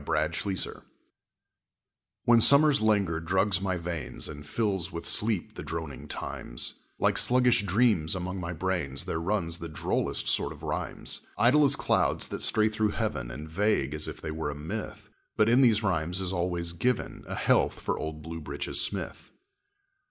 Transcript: Tommy Smith When summer's languor drugs my veins And fills with sleep the droning times, Like sluggish dreams among my brains, There runs the drollest sort of rhymes, Idle as clouds that stray through heaven And vague as if they were a myth, But in these rhymes is always given A health for old Bluebritches Smith.